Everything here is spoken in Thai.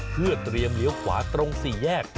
เพื่อเตรียมเลี้ยวขวาตรงสี่แยก